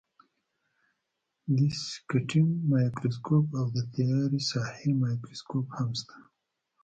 دیسکټینګ مایکروسکوپ او د تیارې ساحې مایکروسکوپ هم شته.